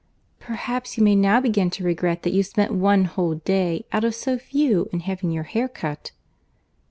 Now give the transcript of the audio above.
"Perhaps you may now begin to regret that you spent one whole day, out of so few, in having your hair cut."